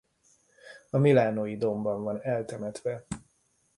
A Milánói dómban van eltemetve.